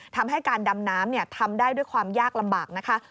ทำให้การดำน้ำทำได้ด้วยความยากลำบากนะคะ